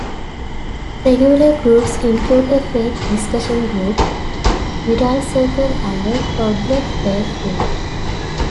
Regular Groups include a Faith discussion group, Wirral Circle and a Toddler Play Group.